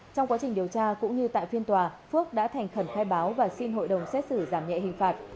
trong quá trình điều tra cũng như tại phiên tòa phước đã thành khẩn khai báo và xin hội đồng xét xử giảm nhẹ hình phạt